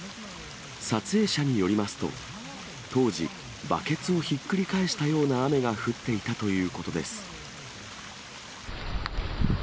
撮影者によりますと、当時、バケツをひっくり返したような雨が降っていたということです。